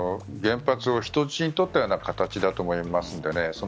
原発を人質に取ったような形だと思います。